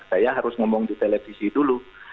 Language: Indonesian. saya harus ngomong di televisi dulu